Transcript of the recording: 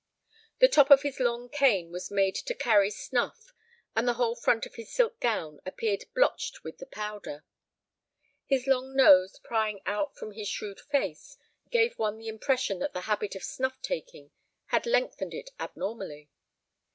The top of his long cane was made to carry snuff, and the whole front of his silk gown appeared blotched with the powder. His long nose prying out from his shrewd face gave one the impression that the habit of snuff taking had lengthened it abnormally.